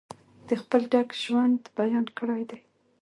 د خپل ډک ژوند بیان کړی دی.